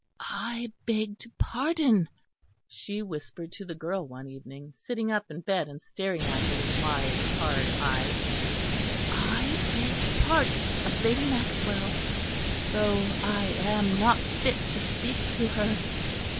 "I begged pardon," she whispered to the girl one evening, sitting up in bed and staring at her with wide, hard eyes, "I begged pardon of Lady Maxwell, though I am not fit to speak to her.